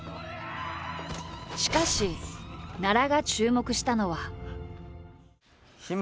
しかし奈良が注目したのは。